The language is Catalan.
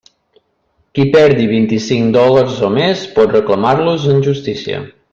Qui perdi vint-i-cinc dòlars o més, pot reclamar-los en justícia.